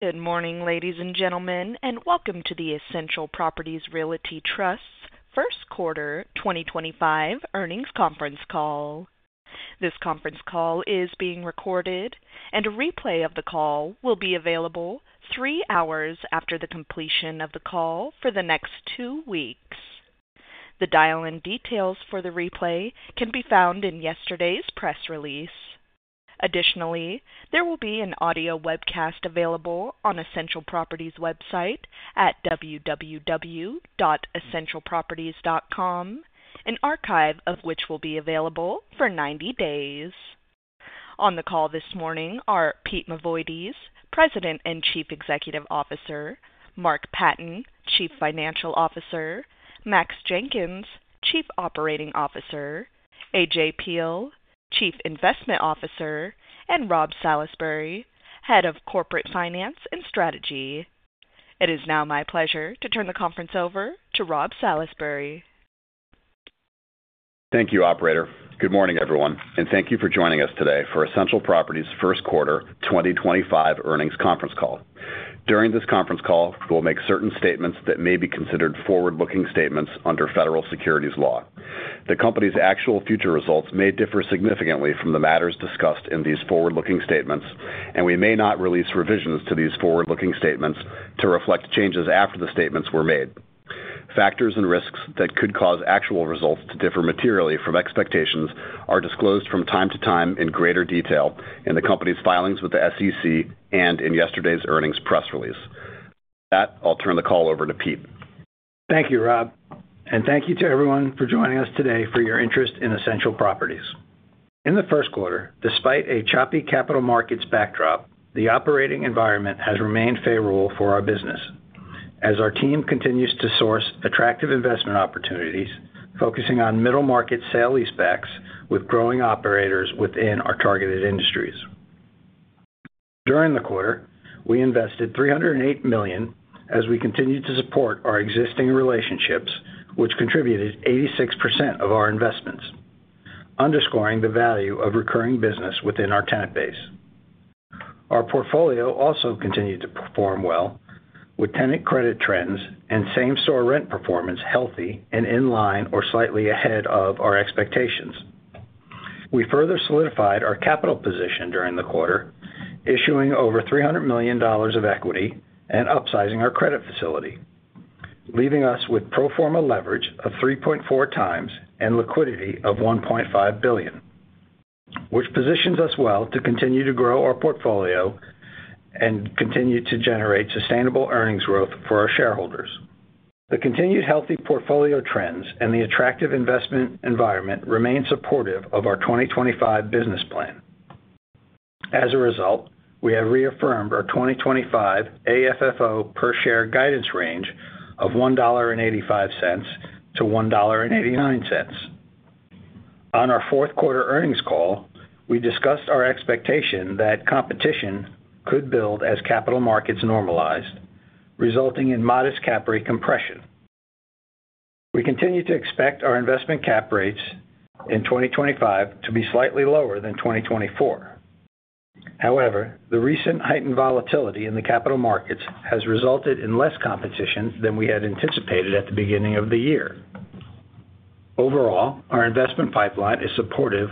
Good morning, ladies and gentlemen, and welcome to the Essential Properties Realty Trust's first quarter 2025 earnings conference call. This conference call is being recorded, and a replay of the call will be available three hours after the completion of the call for the next two weeks. The dial-in details for the replay can be found in yesterday's press release. Additionally, there will be an audio webcast available on Essential Properties' website at www.essentialproperties.com, an archive of which will be available for 90 days. On the call this morning are Pete Mavoides, President and Chief Executive Officer; Mark Patten, Chief Financial Officer; Max Jenkins, Chief Operating Officer; AJ Peil, Chief Investment Officer; and Rob Salisbury, Head of Corporate Finance and Strategy. It is now my pleasure to turn the conference over to Rob Salisbury. Thank you, Operator. Good morning, everyone, and thank you for joining us today for Essential Properties' first quarter 2025 earnings conference call. During this conference call, we'll make certain statements that may be considered forward-looking statements under federal securities law. The company's actual future results may differ significantly from the matters discussed in these forward-looking statements, and we may not release revisions to these forward-looking statements to reflect changes after the statements were made. Factors and risks that could cause actual results to differ materially from expectations are disclosed from time to time in greater detail in the company's filings with the SEC and in yesterday's earnings press release. With that, I'll turn the call over to Pete. Thank you, Rob, and thank you to everyone for joining us today for your interest in Essential Properties. In the first quarter, despite a choppy capital markets backdrop, the operating environment has remained favorable for our business as our team continues to source attractive investment opportunities focusing on middle market sale-leasebacks with growing operators within our targeted industries. During the quarter, we invested $308 million as we continued to support our existing relationships, which contributed 86% of our investments, underscoring the value of recurring business within our tenant base. Our portfolio also continued to perform well, with tenant credit trends and same-store rent performance healthy and in line or slightly ahead of our expectations. We further solidified our capital position during the quarter, issuing over $300 million of equity and upsizing our credit facility, leaving us with pro forma leverage of 3.4x and liquidity of $1.5 billion, which positions us well to continue to grow our portfolio and continue to generate sustainable earnings growth for our shareholders. The continued healthy portfolio trends and the attractive investment environment remain supportive of our 2025 business plan. As a result, we have reaffirmed our 2025 AFFO per share guidance range of $1.85-$1.89. On our fourth quarter earnings call, we discussed our expectation that competition could build as capital markets normalized, resulting in modest cap rate compression. We continue to expect our investment cap rates in 2025 to be slightly lower than 2024. However, the recent heightened volatility in the capital markets has resulted in less competition than we had anticipated at the beginning of the year. Overall, our investment pipeline is supportive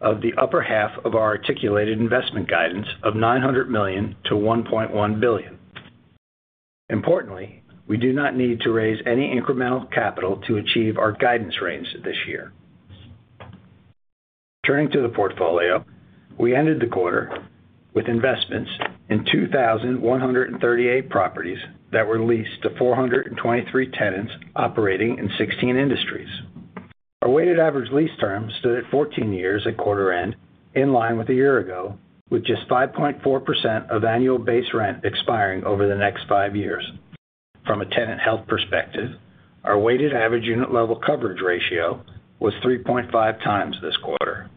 of the upper half of our articulated investment guidance of $900 million-$1.1 billion. Importantly, we do not need to raise any incremental capital to achieve our guidance range this year. Turning to the portfolio, we ended the quarter with investments in 2,138 properties that were leased to 423 tenants operating in 16 industries. Our weighted average lease term stood at 14 years at quarter end, in line with a year ago, with just 5.4% of annual base rent expiring over the next five years. From a tenant health perspective, our weighted average unit level coverage ratio was 3.5x this quarter,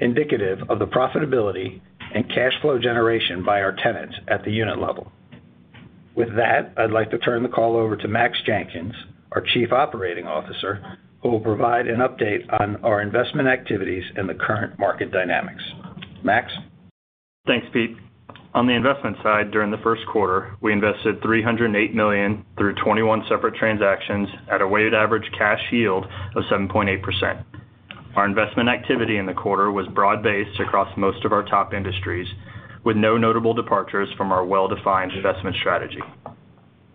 indicative of the profitability and cash flow generation by our tenants at the unit level. With that, I'd like to turn the call over to Max Jenkins, our Chief Operating Officer, who will provide an update on our investment activities and the current market dynamics. Max. Thanks, Pete. On the investment side, during the first quarter, we invested $308 million through 21 separate transactions at a weighted average cash yield of 7.8%. Our investment activity in the quarter was broad-based across most of our top industries, with no notable departures from our well-defined investment strategy.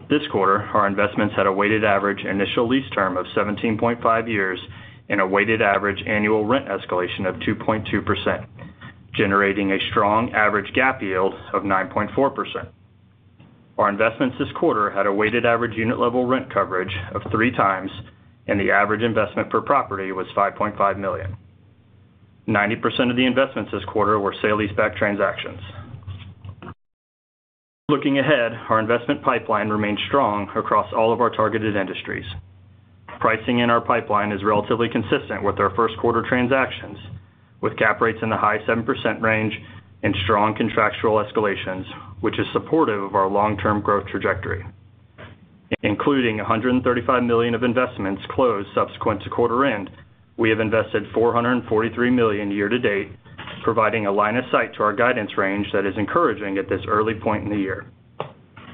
This quarter, our investments had a weighted average initial lease term of 17.5 years and a weighted average annual rent escalation of 2.2%, generating a strong average GAAP yield of 9.4%. Our investments this quarter had a weighted average unit level rent coverage of 3x, and the average investment per property was $5.5 million. 90% of the investments this quarter were sale-leaseback transactions. Looking ahead, our investment pipeline remained strong across all of our targeted industries. Pricing in our pipeline is relatively consistent with our first quarter transactions, with cap rates in the high 7% range and strong contractual escalations, which is supportive of our long-term growth trajectory. Including $135 million of investments closed subsequent to quarter end, we have invested $443 million year-to-date, providing a line of sight to our guidance range that is encouraging at this early point in the year.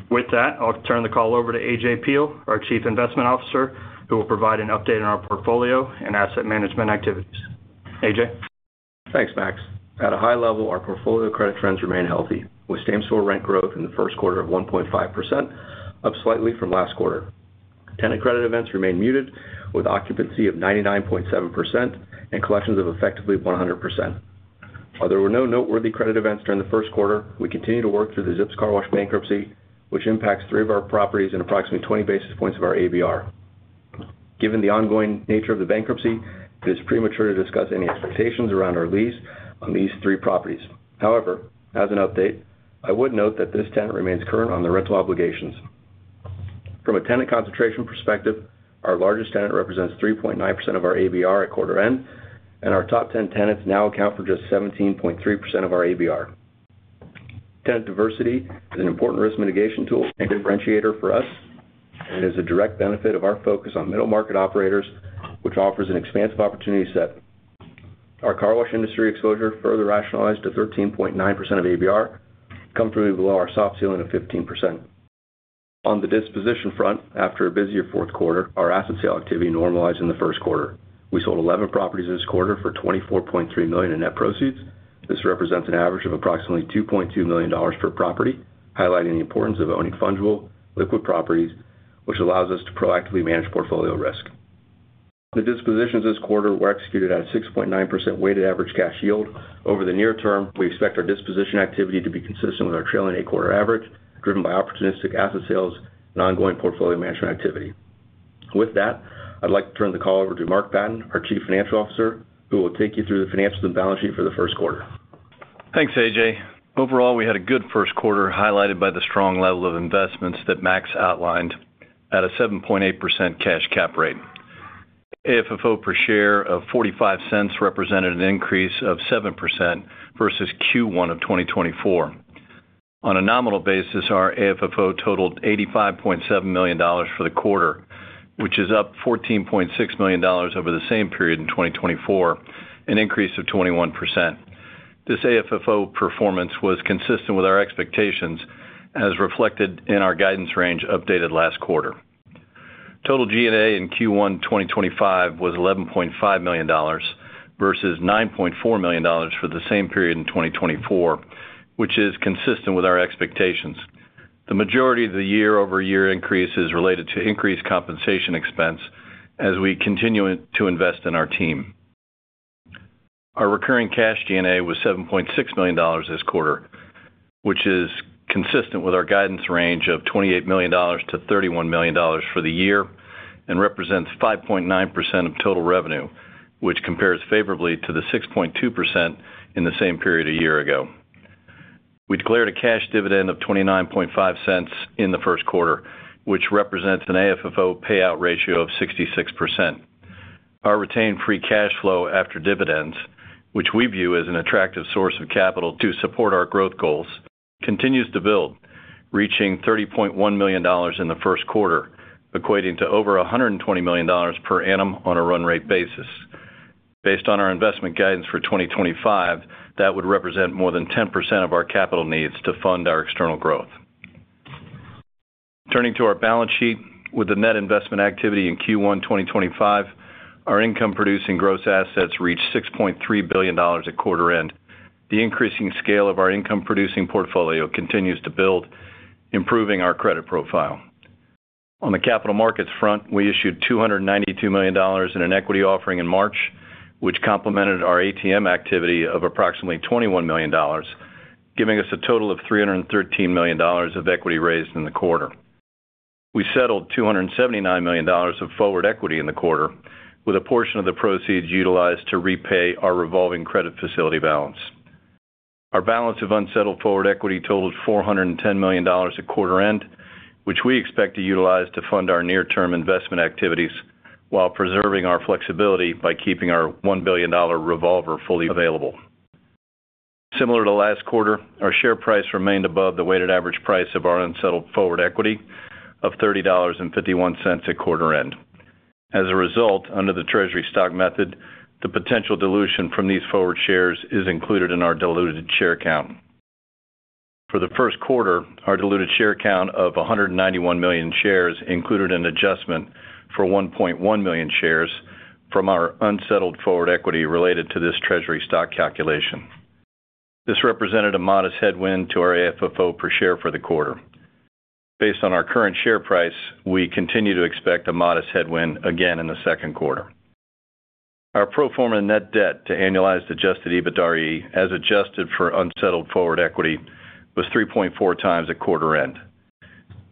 With that, I'll turn the call over to AJ Peil, our Chief Investment Officer, who will provide an update on our portfolio and asset management activities. AJ. Thanks, Max. At a high level, our portfolio credit trends remain healthy, with same-store rent growth in the first quarter of 1.5%, up slightly from last quarter. Tenant credit events remain muted, with occupancy of 99.7% and collections of effectively 100%. While there were no noteworthy credit events during the first quarter, we continue to work through the ZIPS Car Wash bankruptcy, which impacts three of our properties and approximately 20 basis points of our ABR. Given the ongoing nature of the bankruptcy, it is premature to discuss any expectations around our lease on these three properties. However, as an update, I would note that this tenant remains current on their rental obligations. From a tenant concentration perspective, our largest tenant represents 3.9% of our ABR at quarter end, and our top 10 tenants now account for just 17.3% of our ABR. Tenant diversity is an important risk mitigation tool and differentiator for us, and it is a direct benefit of our focus on middle market operators, which offers an expansive opportunity set. Our carwash industry exposure further rationalized to 13.9% of ABR, comfortably below our soft ceiling of 15%. On the disposition front, after a busier fourth quarter, our asset sale activity normalized in the first quarter. We sold 11 properties this quarter for $24.3 million in net proceeds. This represents an average of approximately $2.2 million per property, highlighting the importance of owning fungible, liquid properties, which allows us to proactively manage portfolio risk. The dispositions this quarter were executed at a 6.9% weighted average cash yield. Over the near term, we expect our disposition activity to be consistent with our trailing eight-quarter average, driven by opportunistic asset sales and ongoing portfolio management activity. With that, I'd like to turn the call over to Mark Patten, our Chief Financial Officer, who will take you through the financials and balance sheet for the first quarter. Thanks, AJ. Overall, we had a good first quarter highlighted by the strong level of investments that Max outlined at a 7.8% cash cap rate. AFFO per share of $0.45 represented an increase of 7% versus Q1 of 2024. On a nominal basis, our AFFO totaled $85.7 million for the quarter, which is up $14.6 million over the same period in 2024, an increase of 21%. This AFFO performance was consistent with our expectations as reflected in our guidance range updated last quarter. Total G&A in Q1 2025 was $11.5 million versus $9.4 million for the same period in 2024, which is consistent with our expectations. The majority of the year-over-year increase is related to increased compensation expense as we continue to invest in our team. Our recurring cash G&A was $7.6 million this quarter, which is consistent with our guidance range of $28 million-$31 million for the year and represents 5.9% of total revenue, which compares favorably to the 6.2% in the same period a year ago. We declared a cash dividend of $0.295 in the first quarter, which represents an AFFO payout ratio of 66%. Our retained free cash flow after dividends, which we view as an attractive source of capital to support our growth goals, continues to build, reaching $30.1 million in the first quarter, equating to over $120 million per annum on a run rate basis. Based on our investment guidance for 2025, that would represent more than 10% of our capital needs to fund our external growth. Turning to our balance sheet, with the net investment activity in Q1 2025, our income-producing gross assets reached $6.3 billion at quarter end. The increasing scale of our income-producing portfolio continues to build, improving our credit profile. On the capital markets front, we issued $292 million in an equity offering in March, which complemented our ATM activity of approximately $21 million, giving us a total of $313 million of equity raised in the quarter. We settled $279 million of forward equity in the quarter, with a portion of the proceeds utilized to repay our revolving credit facility balance. Our balance of unsettled forward equity totaled $410 million at quarter end, which we expect to utilize to fund our near-term investment activities while preserving our flexibility by keeping our $1 billion revolver fully available. Similar to last quarter, our share price remained above the weighted average price of our unsettled forward equity of $30.51 at quarter end. As a result, under the treasury stock method, the potential dilution from these forward shares is included in our diluted share count. For the first quarter, our diluted share count of 191 million shares included an adjustment for 1.1 million shares from our unsettled forward equity related to this treasury stock calculation. This represented a modest headwind to our AFFO per share for the quarter. Based on our current share price, we continue to expect a modest headwind again in the second quarter. Our pro forma net debt to annualized adjusted EBITDAre as adjusted for unsettled forward equity was 3.4x at quarter end.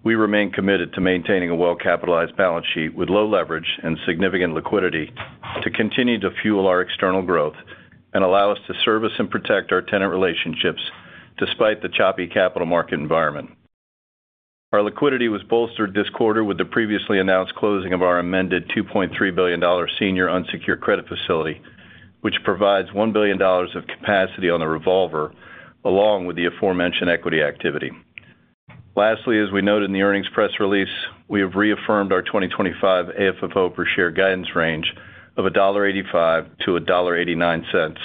We remain committed to maintaining a well-capitalized balance sheet with low leverage and significant liquidity to continue to fuel our external growth and allow us to service and protect our tenant relationships despite the choppy capital market environment. Our liquidity was bolstered this quarter with the previously announced closing of our amended $2.3 billion senior unsecured credit facility, which provides $1 billion of capacity on the revolver along with the aforementioned equity activity. Lastly, as we noted in the earnings press release, we have reaffirmed our 2025 AFFO per share guidance range of $1.85-$1.89,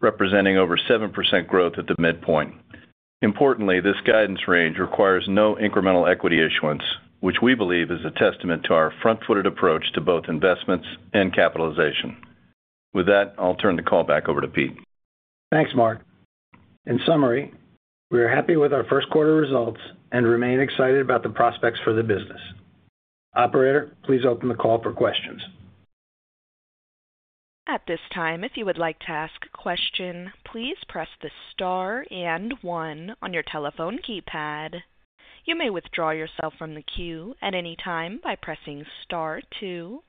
representing over 7% growth at the midpoint. Importantly, this guidance range requires no incremental equity issuance, which we believe is a testament to our front-footed approach to both investments and capitalization. With that, I'll turn the call back over to Pete. Thanks, Mark. In summary, we are happy with our first quarter results and remain excited about the prospects for the business. Operator, please open the call for questions. At this time, if you would like to ask a question, please press the star and one on your telephone keypad. You may withdraw yourself from the queue at any time by pressing star two.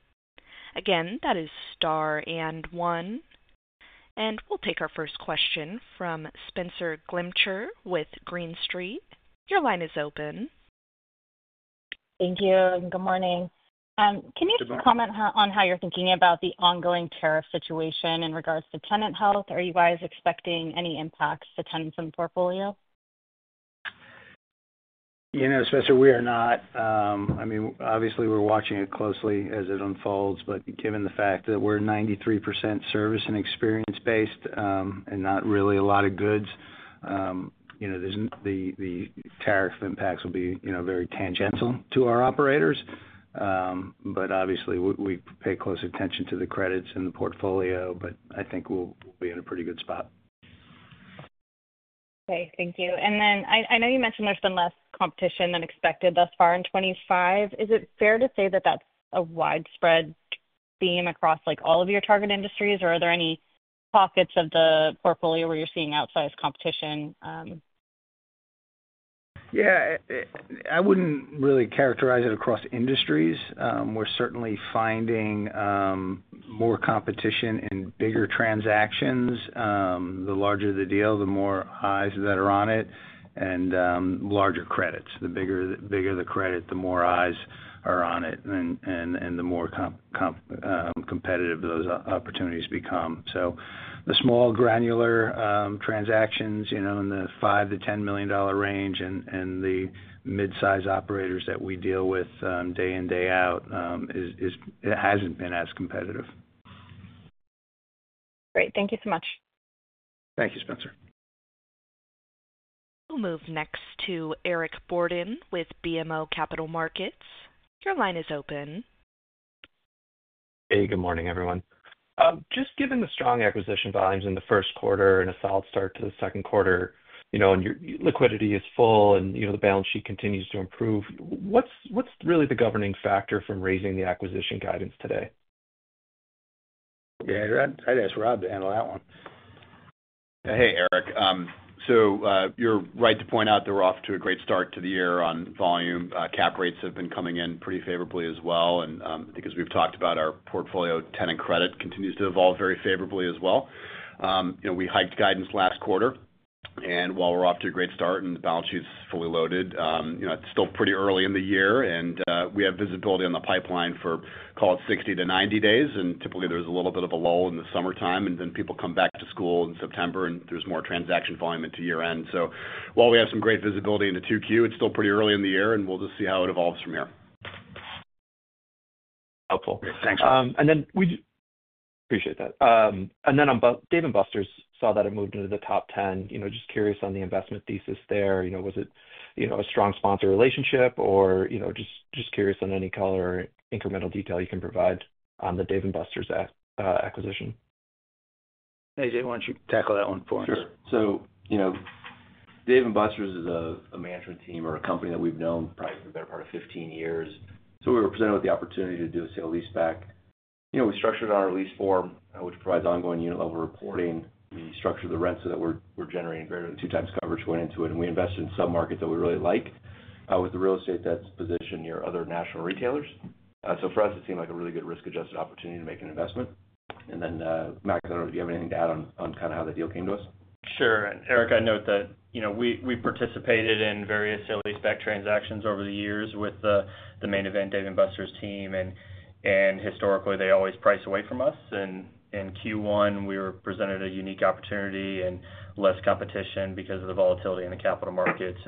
Again, that is star and one. We will take our first question from Spenser Glimcher with Green Street. Your line is open. Thank you. Good morning. Can you comment on how you're thinking about the ongoing tariff situation in regards to tenant health? Are you guys expecting any impacts to tenants in the portfolio? You know, Spenser, we are not. I mean, obviously, we're watching it closely as it unfolds, but given the fact that we're 93% service and experience-based and not really a lot of goods, the tariff impacts will be very tangential to our operators. Obviously, we pay close attention to the credits in the portfolio, but I think we'll be in a pretty good spot. Okay. Thank you. I know you mentioned there's been less competition than expected thus far in 2025. Is it fair to say that that's a widespread theme across all of your target industries, or are there any pockets of the portfolio where you're seeing outsized competition? Yeah. I wouldn't really characterize it across industries. We're certainly finding more competition in bigger transactions. The larger the deal, the more eyes that are on it, and larger credits. The bigger the credit, the more eyes are on it, and the more competitive those opportunities become. The small granular transactions in the $5 million-$10 million range and the mid-size operators that we deal with day in, day out, it hasn't been as competitive. Great. Thank you so much. Thank you, Spenser. We'll move next to Eric Borden with BMO Capital Markets. Your line is open. Hey, good morning, everyone. Just given the strong acquisition volumes in the first quarter and a solid start to the second quarter, and liquidity is full and the balance sheet continues to improve, what's really the governing factor from raising the acquisition guidance today? Yeah, I'd ask Rob to handle that one. Hey, Eric. You're right to point out that we're off to a great start to the year on volume. Cap rates have been coming in pretty favorably as well. I think, as we've talked about, our portfolio tenant credit continues to evolve very favorably as well. We hiked guidance last quarter. While we're off to a great start and the balance sheet's fully loaded, it's still pretty early in the year, and we have visibility on the pipeline for, call it, 60 days-90 days. Typically, there's a little bit of a lull in the summertime, and then people come back to school in September, and there's more transaction volume into year-end. While we have some great visibility into Q2, it's still pretty early in the year, and we'll just see how it evolves from here. Helpful. Thanks. We appreciate that. Dave & Buster's, saw that it moved into the top 10. Just curious on the investment thesis there. Was it a strong sponsor relationship or just curious on any color or incremental detail you can provide on the Dave & Buster's acquisition? AJ, why don't you tackle that one for me? Sure. Dave & Buster's is a management team or a company that we've known probably for the better part of 15 years. We were presented with the opportunity to do a sale-leaseback. We structured on our lease form, which provides ongoing unit-level reporting. We structured the rent so that we're generating greater than two times coverage going into it. We invested in submarkets that we really like with the real estate that's positioned near other national retailers. For us, it seemed like a really good risk-adjusted opportunity to make an investment. Max, I don't know if you have anything to add on kind of how the deal came to us. Sure. Eric, I note that we participated in various sale-leaseback transactions over the years with the Main Event, Dave & Buster's team. Historically, they always price away from us. In Q1, we were presented a unique opportunity and less competition because of the volatility in the capital markets.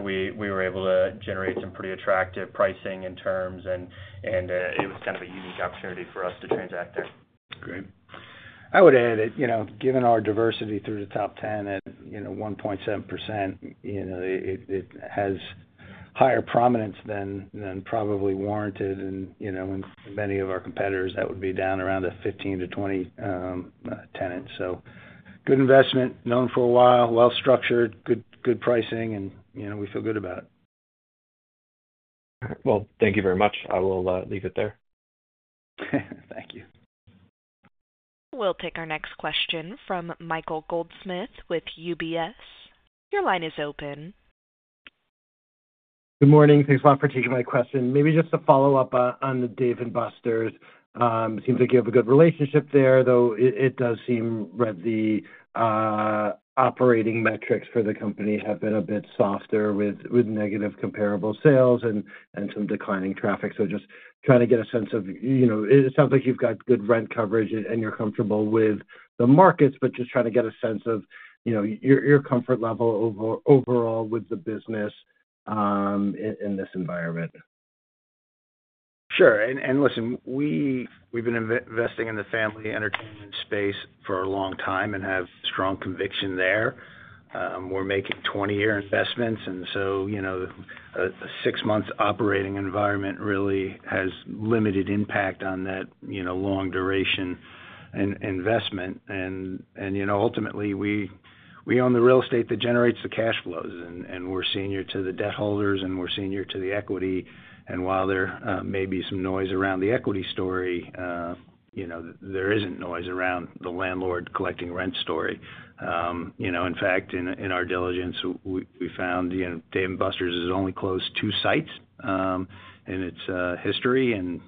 We were able to generate some pretty attractive pricing and terms, and it was kind of a unique opportunity for us to transact there. Great. I would add that given our diversity through the top 10 at 1.7%, it has higher prominence than probably warranted. In many of our competitors, that would be down around the 15 tenants-20 tenants. Good investment, known for a while, well-structured, good pricing, and we feel good about it. Thank you very much. I will leave it there. Thank you. We'll take our next question from Michael Goldsmith with UBS. Your line is open. Good morning. Thanks a lot for taking my question. Maybe just to follow up on the Dave & Buster's. It seems like you have a good relationship there, though it does seem that the operating metrics for the company have been a bit softer with negative comparable sales and some declining traffic. Just trying to get a sense of it sounds like you've got good rent coverage and you're comfortable with the markets, just trying to get a sense of your comfort level overall with the business in this environment. Sure. Listen, we've been investing in the family entertainment space for a long time and have strong conviction there. We're making 20-year investments. A six-month operating environment really has limited impact on that long-duration investment. Ultimately, we own the real estate that generates the cash flows, and we're senior to the debt holders, and we're senior to the equity. While there may be some noise around the equity story, there isn't noise around the landlord collecting rent story. In fact, in our diligence, we found Dave & Buster's has only closed two sites in its history, and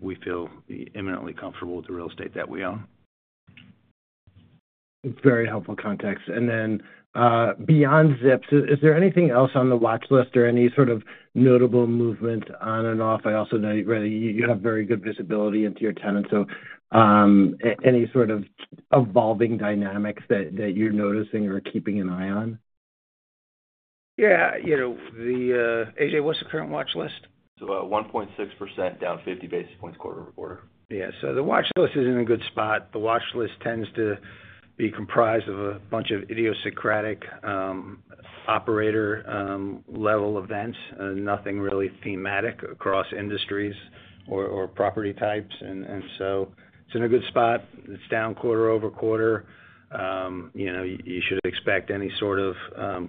we feel imminently comfortable with the real estate that we own. It's very helpful context. Beyond Zips, is there anything else on the watchlist or any sort of notable movement on and off? I also know you have very good visibility into your tenants. Any sort of evolving dynamics that you're noticing or keeping an eye on? Yeah. AJ, what's the current watchlist? 1.6%, down 50 basis points quarter-over-quarter. Yeah. The watchlist is in a good spot. The watchlist tends to be comprised of a bunch of idiosyncratic operator-level events, nothing really thematic across industries or property types. It is in a good spot. It is down quarter-over-quarter. You should expect any sort of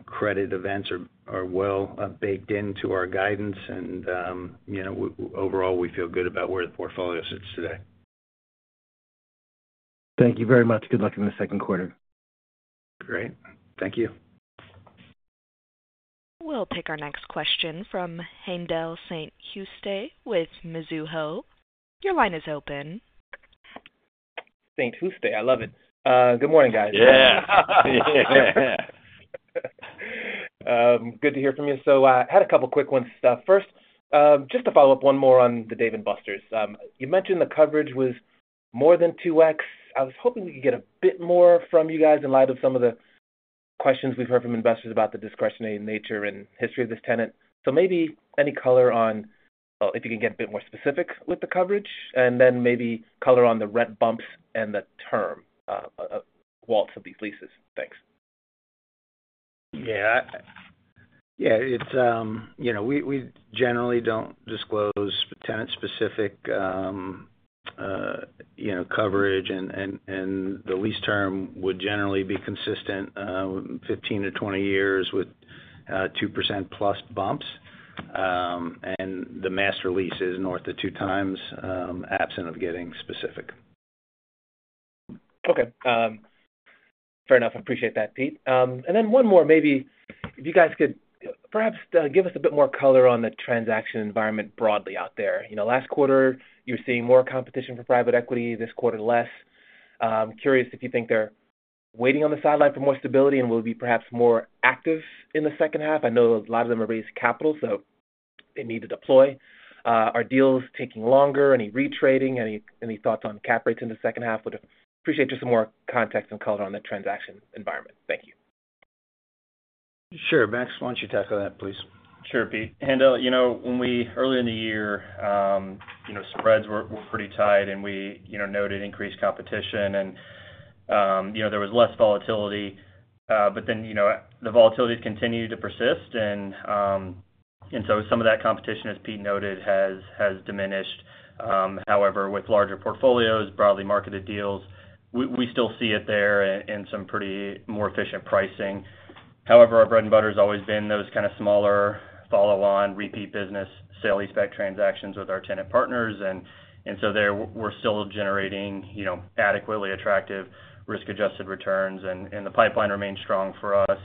credit events are well baked into our guidance. Overall, we feel good about where the portfolio sits today. Thank you very much. Good luck in the second quarter. Great. Thank you. We'll take our next question from Haendel St. Juste with Mizuho. Your line is open. St. Juste. I love it. Good morning, guys. Yeah. Good to hear from you. I had a couple of quick ones. First, just to follow up one more on the Dave & Buster's. You mentioned the coverage was more than 2x. I was hoping we could get a bit more from you guys in light of some of the questions we've heard from investors about the discretionary nature and history of this tenant. Maybe any color on if you can get a bit more specific with the coverage, and then maybe color on the rent bumps and the term WALT of these leases. Thanks. Yeah. Yeah. We generally do not disclose tenant-specific coverage, and the lease term would generally be consistent, 15 years-20 years with 2%+ bumps. The master lease is north of two times, absent of getting specific. Okay. Fair enough. I appreciate that, Pete. One more, maybe if you guys could perhaps give us a bit more color on the transaction environment broadly out there. Last quarter, you're seeing more competition for private equity. This quarter, less. Curious if you think they're waiting on the sideline for more stability and will be perhaps more active in the second half. I know a lot of them are raising capital, so they need to deploy. Are deals taking longer? Any retrading? Any thoughts on cap rates in the second half? Would appreciate just some more context and color on the transaction environment. Thank you. Sure. Max, why don't you tackle that, please? Sure, Pete. Haendel, early in the year, spreads were pretty tight, and we noted increased competition, and there was less volatility. The volatility has continued to persist. Some of that competition, as Pete noted, has diminished. However, with larger portfolios, broadly marketed deals, we still see it there in some pretty more efficient pricing. Our bread and butter has always been those kind of smaller follow-on, repeat business, sale-leaseback transactions with our tenant partners. There, we're still generating adequately attractive risk-adjusted returns, and the pipeline remains strong for us.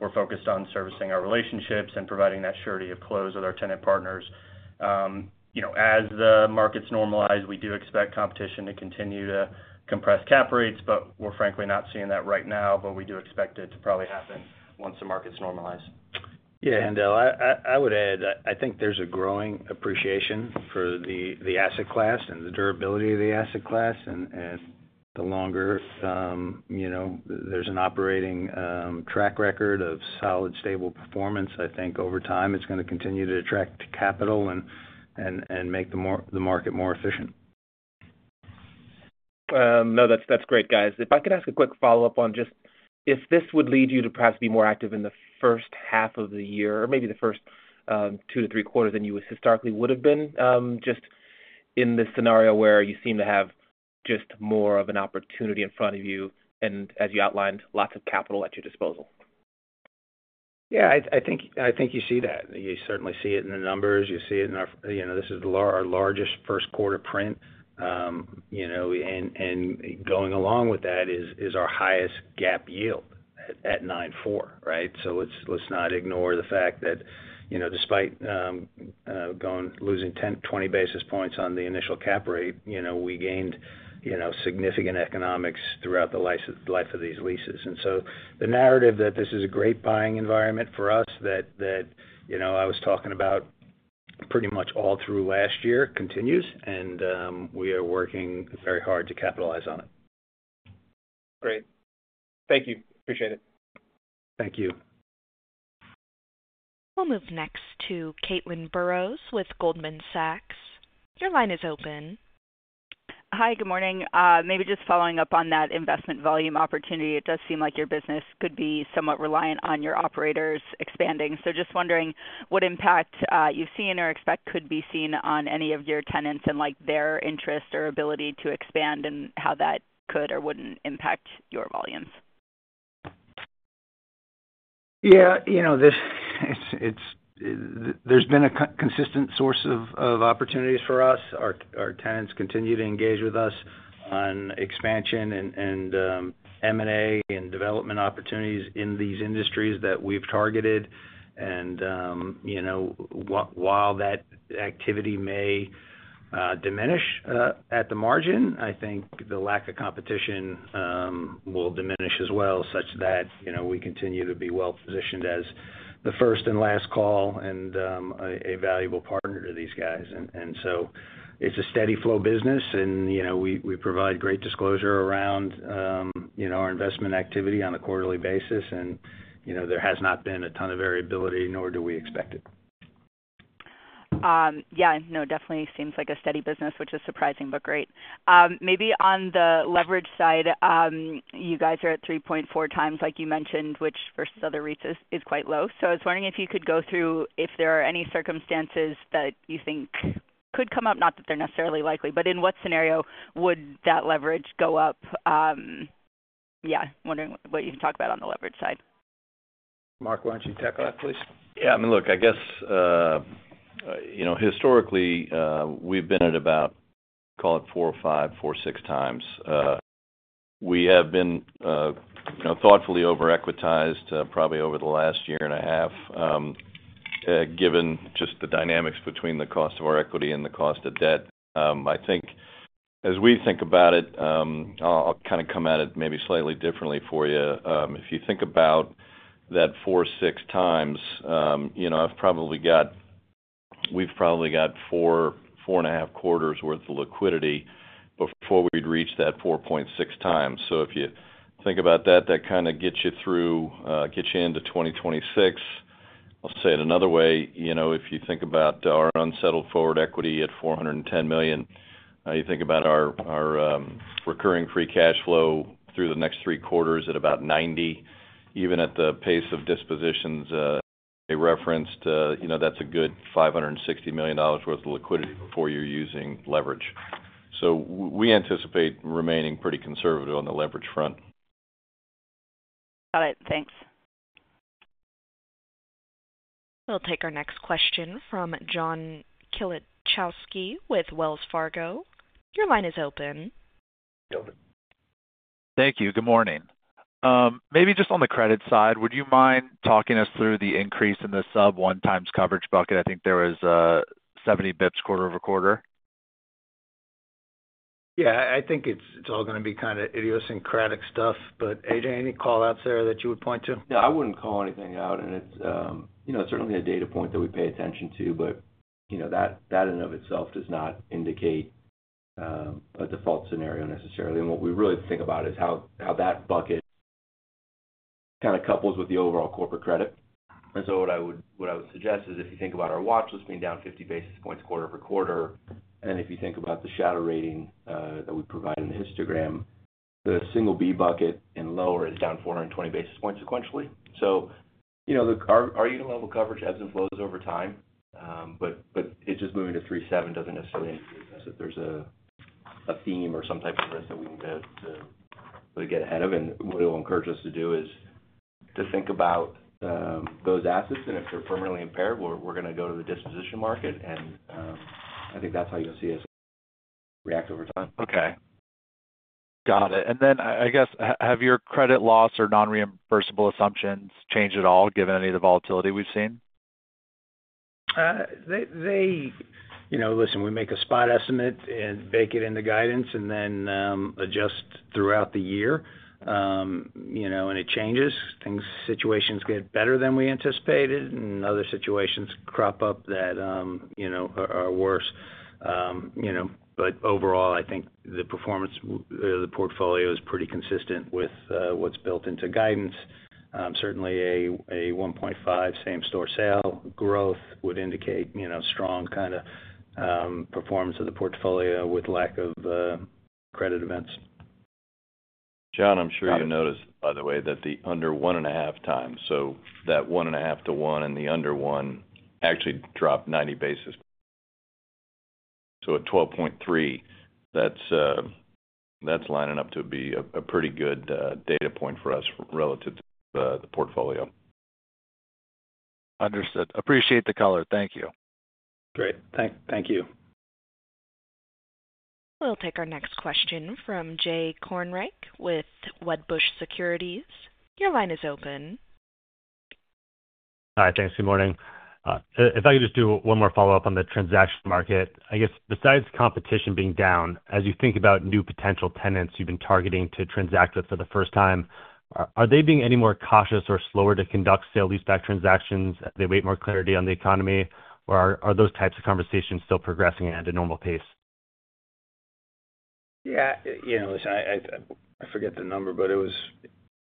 We're focused on servicing our relationships and providing that surety of close with our tenant partners. As the markets normalize, we do expect competition to continue to compress cap rates, but we're frankly not seeing that right now. We do expect it to probably happen once the markets normalize. Yeah. Haendel, I would add, I think there's a growing appreciation for the asset class and the durability of the asset class. The longer there's an operating track record of solid, stable performance, I think over time it's going to continue to attract capital and make the market more efficient. No, that's great, guys. If I could ask a quick follow-up on just if this would lead you to perhaps be more active in the first half of the year or maybe the first two to three quarters than you historically would have been, just in this scenario where you seem to have just more of an opportunity in front of you and, as you outlined, lots of capital at your disposal? Yeah. I think you see that. You certainly see it in the numbers. You see it in our this is our largest first-quarter print. Going along with that is our highest GAAP yield at 9.4%, right? Let's not ignore the fact that despite losing 10 basis points-20 basis points on the initial cap rate, we gained significant economics throughout the life of these leases. The narrative that this is a great buying environment for us that I was talking about pretty much all through last year continues, and we are working very hard to capitalize on it. Great. Thank you. Appreciate it. Thank you. We'll move next to Caitlin Burrows with Goldman Sachs. Your line is open. Hi, good morning. Maybe just following up on that investment volume opportunity, it does seem like your business could be somewhat reliant on your operators expanding. Just wondering what impact you've seen or expect could be seen on any of your tenants and their interest or ability to expand and how that could or would not impact your volumes. Yeah. There has been a consistent source of opportunities for us. Our tenants continue to engage with us on expansion and M&A and development opportunities in these industries that we have targeted. While that activity may diminish at the margin, I think the lack of competition will diminish as well, such that we continue to be well-positioned as the first and last call and a valuable partner to these guys. It is a steady-flow business, and we provide great disclosure around our investment activity on a quarterly basis. There has not been a ton of variability, nor do we expect it. Yeah. No, definitely seems like a steady business, which is surprising but great. Maybe on the leverage side, you guys are at 3.4x, like you mentioned, which versus other REITs is quite low. I was wondering if you could go through if there are any circumstances that you think could come up, not that they're necessarily likely, but in what scenario would that leverage go up? Yeah. Wondering what you can talk about on the leverage side. Mark, why don't you tackle that, please? Yeah. I mean, look, I guess historically, we've been at about, call it 4x or 5x, 4.6x. We have been thoughtfully over-equitized probably over the last year and a half, given just the dynamics between the cost of our equity and the cost of debt. I think as we think about it, I'll kind of come at it maybe slightly differently for you. If you think about that 4.6x, we've probably got 4.5 quarters' worth of liquidity before we'd reach that 4.6x. If you think about that, that kind of gets you through, gets you into 2026. I'll say it another way. If you think about our unsettled forward equity at $410 million, you think about our recurring free cash flow through the next three quarters at about $90 million. Even at the pace of dispositions they referenced, that's a good $560 million worth of liquidity before you're using leverage. We anticipate remaining pretty conservative on the leverage front. Got it. Thanks. We'll take our next question from John Kilichowski with Wells Fargo. Your line is open. Thank you. Good morning. Maybe just on the credit side, would you mind talking us through the increase in the sub-one times coverage bucket? I think there was 70 basis points quarter-over-quarter. Yeah. I think it's all going to be kind of idiosyncratic stuff. AJ, any callouts there that you would point to? Yeah. I would not call anything out. It is certainly a data point that we pay attention to, but that in and of itself does not indicate a default scenario necessarily. What we really think about is how that bucket kind of couples with the overall corporate credit. What I would suggest is if you think about our watchlist being down 50 basis points quarter-over-quarter, and if you think about the shadow rating that we provide in the histogram, the single B bucket and lower is down 420 basis points sequentially. Our unit-level coverage ebbs and flows over time, but it just moving to 3.7x does not necessarily indicate that there is a theme or some type of risk that we need to get ahead of. What it will encourage us to do is to think about those assets. If they're permanently impaired, we're going to go to the disposition market. I think that's how you'll see us react over time. Okay. Got it. I guess, have your credit loss or non-reimbursable assumptions changed at all, given any of the volatility we've seen? Listen, we make a spot estimate and bake it into guidance and then adjust throughout the year. It changes. Situations get better than we anticipated, and other situations crop up that are worse. Overall, I think the performance of the portfolio is pretty consistent with what's built into guidance. Certainly, a 1.5% same-store sale growth would indicate strong kind of performance of the portfolio with lack of credit events. John, I'm sure you noticed, by the way, that the under 1.5x. That 1.5x-1x and the under one actually dropped 90 basis points. At 12.3%, that's lining up to be a pretty good data point for us relative to the portfolio. Understood. Appreciate the color. Thank you. Great. Thank you. We'll take our next question from Jay Kornreich with Wedbush Securities. Your line is open. Hi, thanks. Good morning. If I could just do one more follow-up on the transaction market. I guess besides competition being down, as you think about new potential tenants you've been targeting to transact with for the first time, are they being any more cautious or slower to conduct sale-leaseback transactions as they wait more clarity on the economy? Or are those types of conversations still progressing at a normal pace? Yeah. Listen, I forget the number, but it was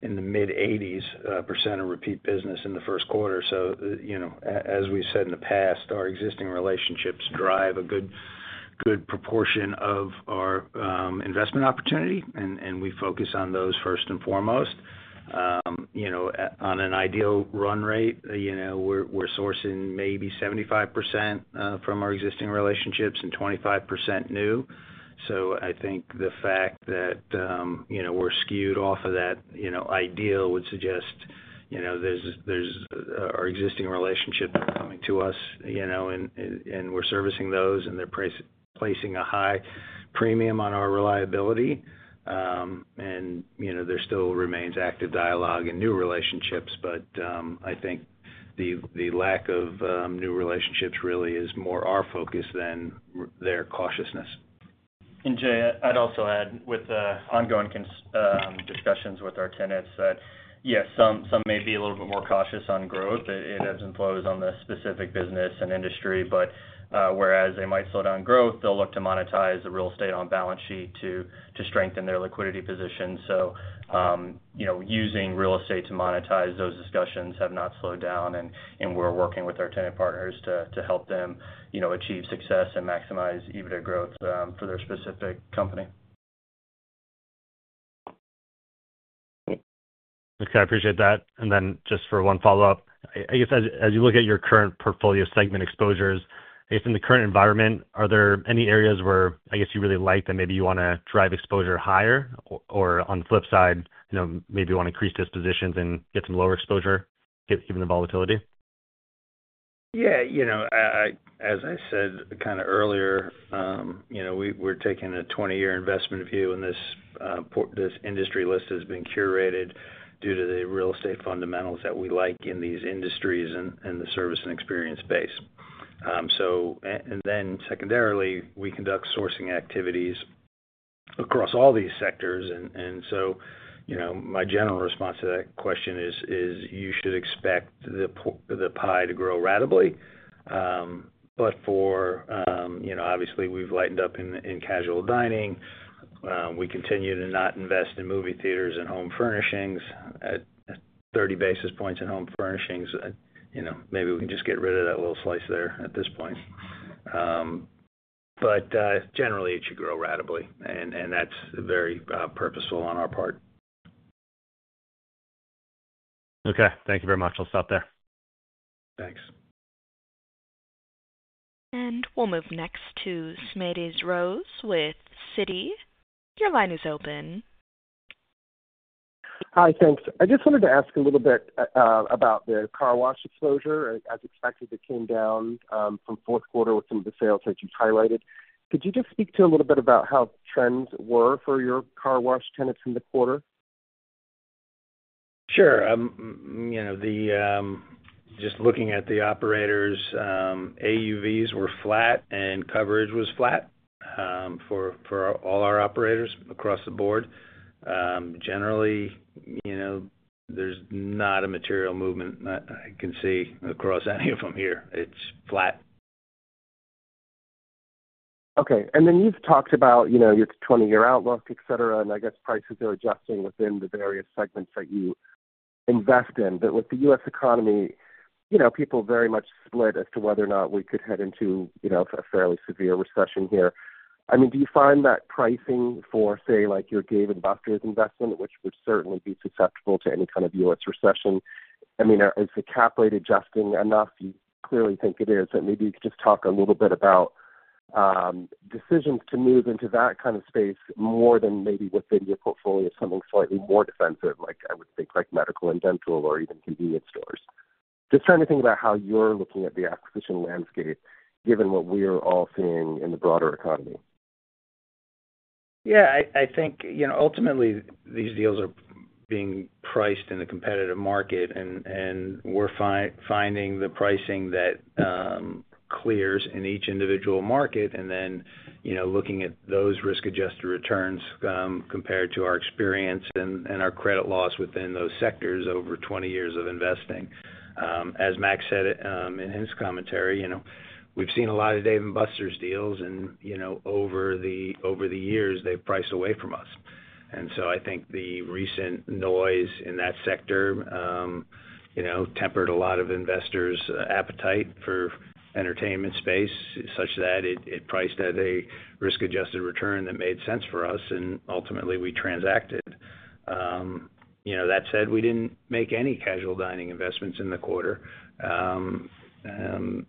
in the mid-80% of repeat business in the first quarter. As we've said in the past, our existing relationships drive a good proportion of our investment opportunity, and we focus on those first and foremost. On an ideal run rate, we're sourcing maybe 75% from our existing relationships and 25% new. I think the fact that we're skewed off of that ideal would suggest our existing relationships are coming to us, and we're servicing those, and they're placing a high premium on our reliability. There still remains active dialogue and new relationships, but I think the lack of new relationships really is more our focus than their cautiousness. Jay, I'd also add with the ongoing discussions with our tenants that, yes, some may be a little bit more cautious on growth. It ebbs and flows on the specific business and industry. Whereas they might slow down growth, they'll look to monetize the real estate on balance sheet to strengthen their liquidity position. Using real estate to monetize, those discussions have not slowed down, and we're working with our tenant partners to help them achieve success and maximize EBITDA growth for their specific company. I appreciate that. And then just for one follow-up, I guess as you look at your current portfolio segment exposures, I guess in the current environment, are there any areas where I guess you really like that maybe you want to drive exposure higher? Or on the flip side, maybe you want to increase dispositions and get some lower exposure given the volatility? Yeah. As I said kind of earlier, we're taking a 20-year investment view, and this industry list has been curated due to the real estate fundamentals that we like in these industries and the service and experience base. Secondarily, we conduct sourcing activities across all these sectors. My general response to that question is you should expect the pie to grow radically. Obviously, we've lightened up in casual dining. We continue to not invest in movie theaters and home furnishings at 30 basis points in home furnishings. Maybe we can just get rid of that little slice there at this point. Generally, it should grow radically, and that's very purposeful on our part. Okay. Thank you very much. I'll stop there. Thanks. We will move next to Smedes Rose with Citi. Your line is open. Hi, thanks. I just wanted to ask a little bit about the car wash exposure. As expected, it came down from fourth quarter with some of the sales that you've highlighted. Could you just speak to a little bit about how trends were for your car wash tenants in the quarter? Sure. Just looking at the operators, AUVs were flat, and coverage was flat for all our operators across the board. Generally, there is not a material movement I can see across any of them here. It is flat. Okay. Then you've talked about your 20-year outlook, etc., and I guess prices are adjusting within the various segments that you invest in. With the U.S. economy, people very much split as to whether or not we could head into a fairly severe recession here. I mean, do you find that pricing for, say, your Dave & Buster's investment, which would certainly be susceptible to any kind of U.S. recession? I mean, is the cap rate adjusting enough? You clearly think it is. Maybe you could just talk a little bit about decisions to move into that kind of space more than maybe within your portfolio of something slightly more defensive, like I would think like medical and dental or even convenience stores. Just trying to think about how you're looking at the acquisition landscape given what we are all seeing in the broader economy. Yeah. I think ultimately, these deals are being priced in a competitive market, and we're finding the pricing that clears in each individual market. And then looking at those risk-adjusted returns compared to our experience and our credit loss within those sectors over 20 years of investing. As Max said in his commentary, we've seen a lot of Dave & Buster's deals, and over the years, they've priced away from us. I think the recent noise in that sector tempered a lot of investors' appetite for entertainment space such that it priced at a risk-adjusted return that made sense for us, and ultimately, we transacted. That said, we didn't make any casual dining investments in the quarter,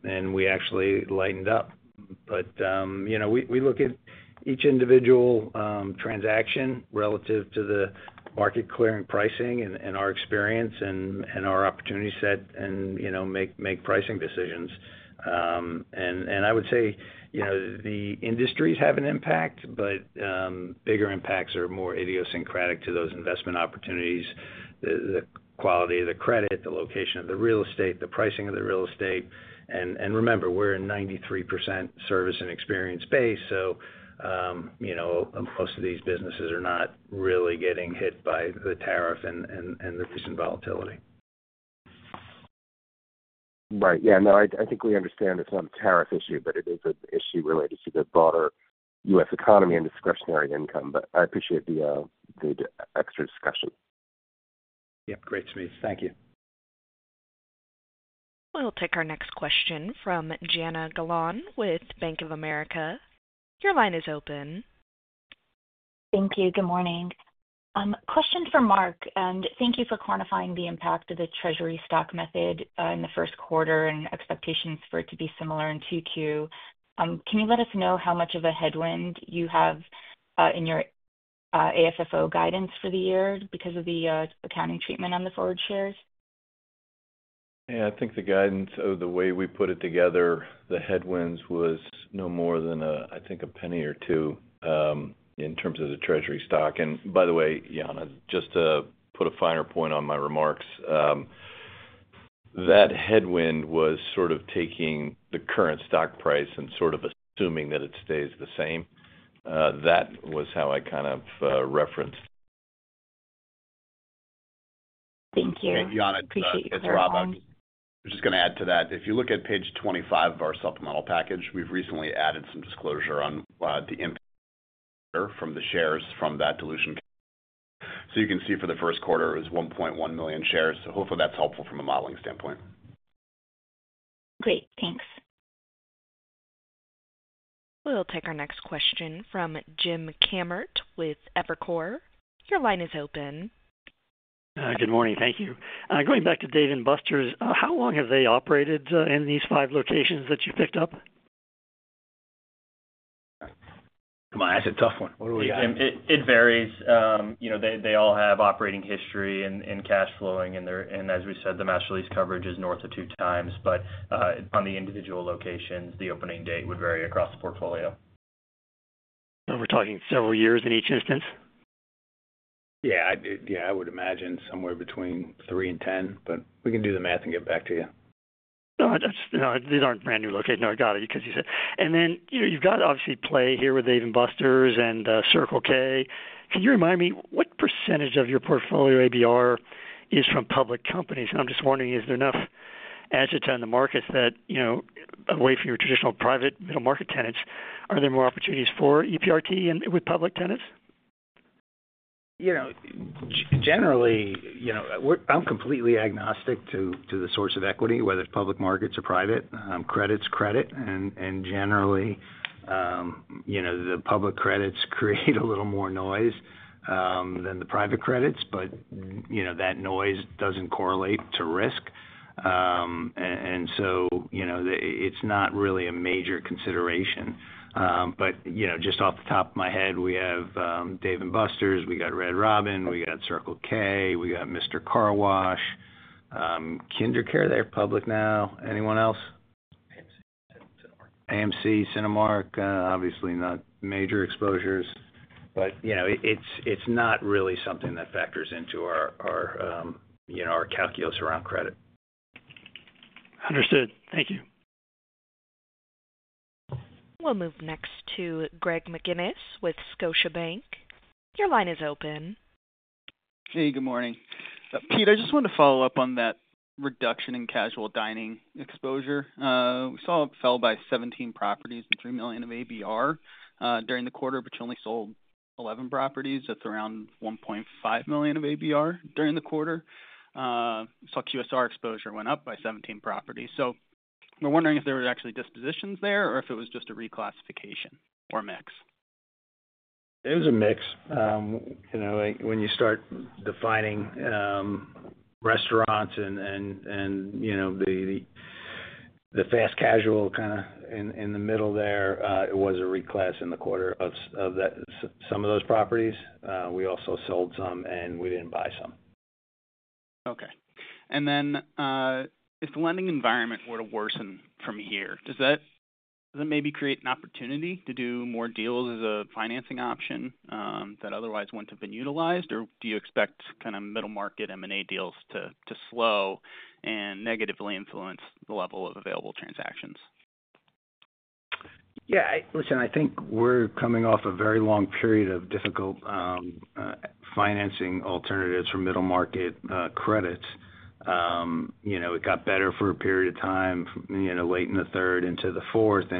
and we actually lightened up. We look at each individual transaction relative to the market-clearing pricing and our experience and our opportunity set and make pricing decisions. I would say the industries have an impact, but bigger impacts are more idiosyncratic to those investment opportunities: the quality of the credit, the location of the real estate, the pricing of the real estate. Remember, we're in 93% service and experience base. Most of these businesses are not really getting hit by the tariff and the recent volatility. Right. Yeah. No, I think we understand it's not a tariff issue, but it is an issue related to the broader U.S. economy and discretionary income. I appreciate the extra discussion. Yeah. Great to meet. Thank you. We'll take our next question from Jana Galan with Bank of America. Your line is open. Thank you. Good morning. Question for Mark. Thank you for quantifying the impact of the Treasury stock method in the first quarter and expectations for it to be similar in Q2. Can you let us know how much of a headwind you have in your AFFO guidance for the year because of the accounting treatment on the forward shares? Yeah. I think the guidance, or the way we put it together, the headwinds was no more than, I think, a penny or two in terms of the Treasury stock. By the way, Jana, just to put a finer point on my remarks, that headwind was sort of taking the current stock price and sort of assuming that it stays the same. That was how I kind of referenced. Thank you. Thank you, Jana. It's Rob. I was just going to add to that. If you look at page 25 of our supplemental package, we've recently added some disclosure on the impact from the shares from that dilution. You can see for the first quarter, it was 1.1 million shares. Hopefully, that's helpful from a modeling standpoint. Great. Thanks. We'll take our next question from Jim Kammert with Evercore. Your line is open. Good morning. Thank you. Going back to Dave & Buster's, how long have they operated in these five locations that you picked up? Come on. That's a tough one. What do we have? It varies. They all have operating history and cash flowing. As we said, the master lease coverage is north of 2x. On the individual locations, the opening date would vary across the portfolio. We're talking several years in each instance? Yeah. Yeah. I would imagine somewhere between 3 years and 10 years, but we can do the math and get back to you. No. These aren't brand new locations. No, I got it because you said and then you've got obviously play here with Dave & Buster's and Circle K. Can you remind me what percentage of your portfolio ABR is from public companies? And I'm just wondering, is there enough adjective in the markets that away from your traditional private middle market tenants, are there more opportunities for EPRT with public tenants? Generally, I'm completely agnostic to the source of equity, whether it's public markets or private. Credit's credit. Generally, the public credits create a little more noise than the private credits, but that noise doesn't correlate to risk. It's not really a major consideration. Just off the top of my head, we have Dave & Buster's. We got Red Robin. We got Circle K. We got Mister Car Wash. KinderCare, they're public now. Anyone else? AMC, Cinemark. AMC, Cinemark. Obviously, not major exposures. It's not really something that factors into our calculus around credit. Understood. Thank you. We'll move next to Greg McGinnis with Scotiabank. Your line is open. Hey. Good morning. Pete, I just wanted to follow up on that reduction in casual dining exposure. We saw it fell by 17 properties and $3 million of ABR during the quarter, but you only sold 11 properties. That's around $1.5 million of ABR during the quarter. We saw QSR exposure went up by 17 properties. We are wondering if there were actually dispositions there or if it was just a reclassification or a mix. It was a mix. When you start defining restaurants and the fast casual kind of in the middle there, it was a reclass in the quarter of some of those properties. We also sold some, and we did not buy some. Okay. If the lending environment were to worsen from here, does that maybe create an opportunity to do more deals as a financing option that otherwise would not have been utilized? Do you expect kind of middle market M&A deals to slow and negatively influence the level of available transactions? Yeah. Listen, I think we're coming off a very long period of difficult financing alternatives for middle market credits. It got better for a period of time, late in the third into the fourth. Here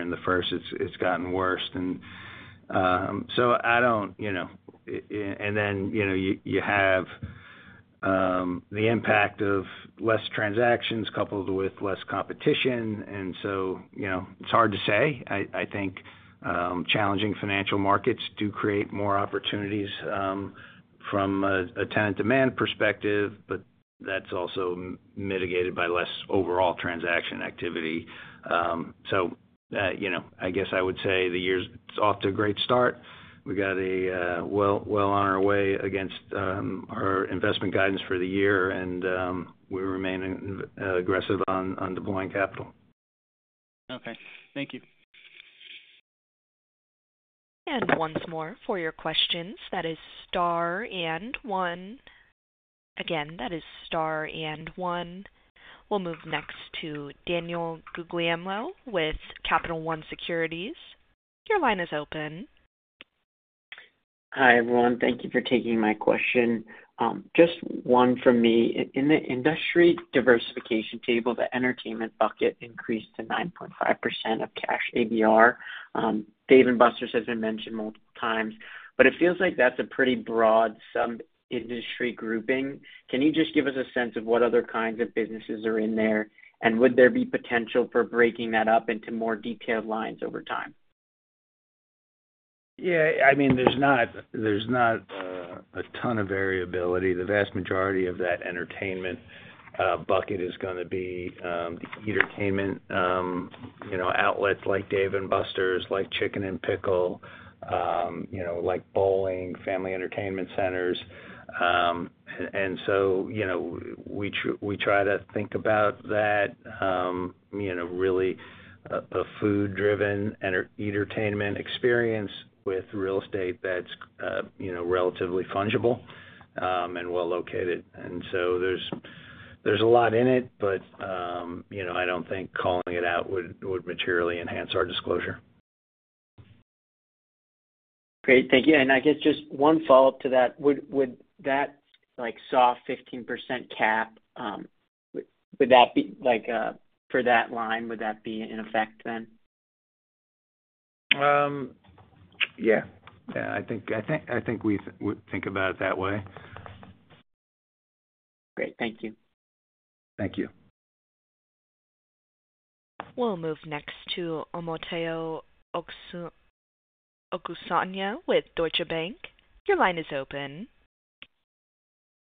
in the first, it's gotten worse. I do not, and then you have the impact of less transactions coupled with less competition. It's hard to say. I think challenging financial markets do create more opportunities from a tenant demand perspective, but that's also mitigated by less overall transaction activity. I would say the year's off to a great start. We got a well on our way against our investment guidance for the year, and we remain aggressive on deploying capital. Okay. Thank you. Once more for your questions, that is star and one. Again, that is star and one. We'll move next to Daniel Guglielmo with Capital One Securities. Your line is open. Hi everyone. Thank you for taking my question. Just one from me. In the industry diversification table, the entertainment bucket increased to 9.5% of cash ABR. Dave & Buster's has been mentioned multiple times, but it feels like that's a pretty broad sub-industry grouping. Can you just give us a sense of what other kinds of businesses are in there, and would there be potential for breaking that up into more detailed lines over time? Yeah. I mean, there's not a ton of variability. The vast majority of that entertainment bucket is going to be entertainment outlets like Dave & Buster's, like Chicken N Pickle, like bowling, family entertainment centers. We try to think about that really as a food-driven entertainment experience with real estate that's relatively fungible and well located. There's a lot in it, but I don't think calling it out would materially enhance our disclosure. Great. Thank you. I guess just one follow-up to that. Would that soft 15% cap, would that be for that line, would that be in effect then? Yeah. Yeah. I think we would think about it that way. Great. Thank you. Thank you. We'll move next to Omotayo Okusanya with Deutsche Bank. Your line is open.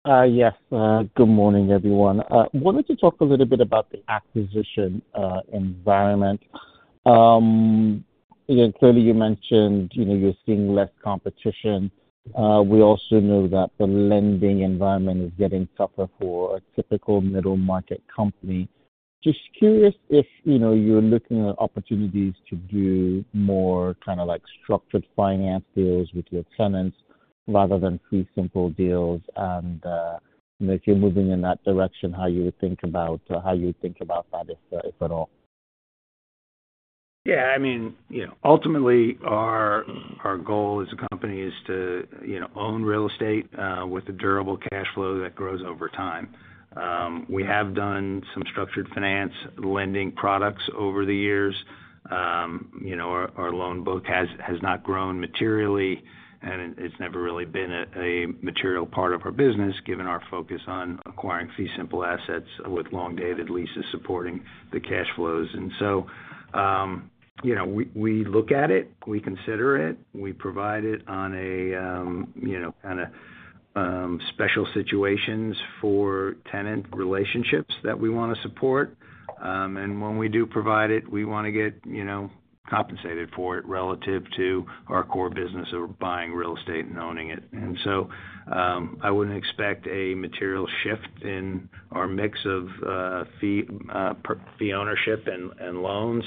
Yes. Good morning, everyone. I wanted to talk a little bit about the acquisition environment. Clearly, you mentioned you're seeing less competition. We also know that the lending environment is getting tougher for a typical middle market company. Just curious if you're looking at opportunities to do more kind of structured finance deals with your tenants rather than fee simple deals. If you're moving in that direction, how you would think about that, if at all? Yeah. I mean, ultimately, our goal as a company is to own real estate with a durable cash flow that grows over time. We have done some structured finance lending products over the years. Our loan book has not grown materially, and it's never really been a material part of our business given our focus on acquiring fee simple assets with long-dated leases supporting the cash flows. We look at it. We consider it. We provide it on a kind of special situations for tenant relationships that we want to support. When we do provide it, we want to get compensated for it relative to our core business of buying real estate and owning it. I wouldn't expect a material shift in our mix of fee ownership and loans.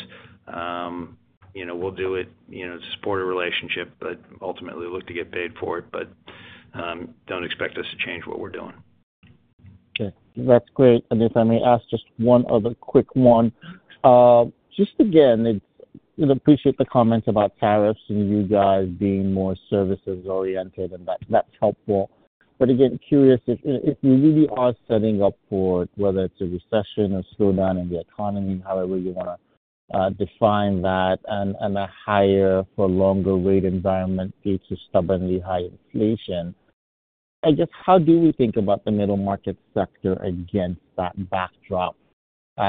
We'll do it to support a relationship, but ultimately, look to get paid for it. Don't expect us to change what we're doing. Okay. That's great. If I may ask just one other quick one. I appreciate the comments about tariffs and you guys being more services-oriented, and that's helpful. Again, curious if you really are setting up for whether it's a recession or slowdown in the economy, however you want to define that, and a higher for longer rate environment due to stubbornly high inflation. I guess, how do we think about the middle market sector against that backdrop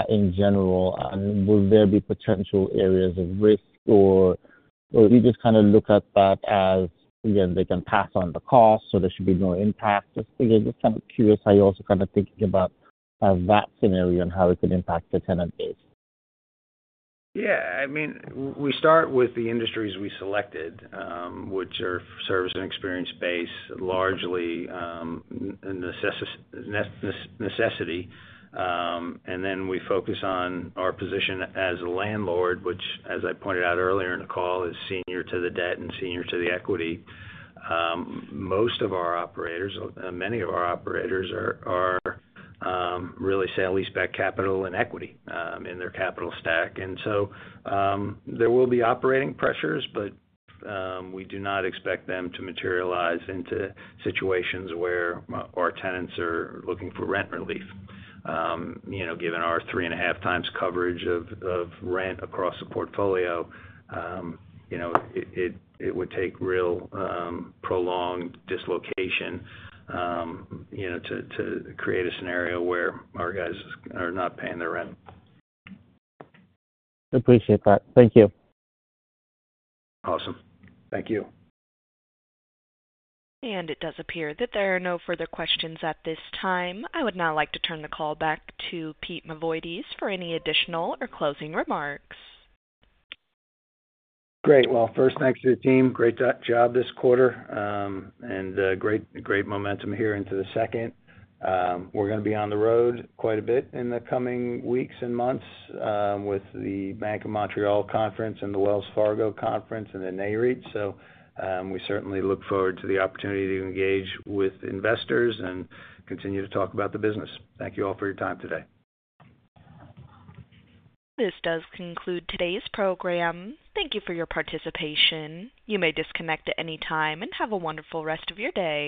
in general? Will there be potential areas of risk, or do you just kind of look at that as, again, they can pass on the cost, so there should be no impact? Just again, just kind of curious how you're also kind of thinking about that scenario and how it could impact the tenant base. Yeah. I mean, we start with the industries we selected, which are service and experience-based, largely necessity. Then we focus on our position as a landlord, which, as I pointed out earlier in the call, is senior to the debt and senior to the equity. Most of our operators, many of our operators, are really sale-leaseback capital and equity in their capital stack. There will be operating pressures, but we do not expect them to materialize into situations where our tenants are looking for rent relief. Given our 3.5x coverage of rent across the portfolio, it would take real prolonged dislocation to create a scenario where our guys are not paying their rent. Appreciate that. Thank you. Awesome. Thank you. It does appear that there are no further questions at this time. I would now like to turn the call back to Pete Mavoides for any additional or closing remarks. Great. First, thanks to the team. Great job this quarter and great momentum here into the second. We are going to be on the road quite a bit in the coming weeks and months with the Bank of Montreal Conference and the Wells Fargo Conference and the Nareit. We certainly look forward to the opportunity to engage with investors and continue to talk about the business. Thank you all for your time today. This does conclude today's program. Thank you for your participation. You may disconnect at any time and have a wonderful rest of your day.